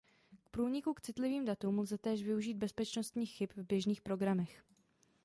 K průniku k citlivým datům lze též využít bezpečnostních chyb v běžných programech.